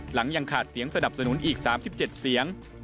หลังยังขาดเสียงสนับสนุนอีก๓๗เสียง